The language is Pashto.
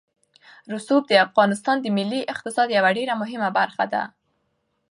رسوب د افغانستان د ملي اقتصاد یوه ډېره مهمه برخه ده.